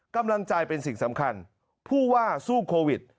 กำลังใจเป็นสิ่งสำคัญผู้ว่าสู้โควิด